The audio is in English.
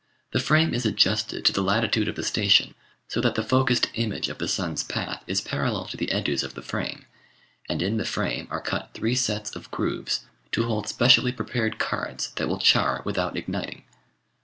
The frame is adjusted to the latitude of the station so that the focused image of the sun's path is parallel to the edges of the frame, and in the frame are cut three sets of grooves to hold specially prepared cards that will char without igniting.